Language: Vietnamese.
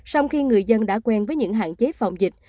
sau khi người dân đã quen với những hạn chế phòng dịch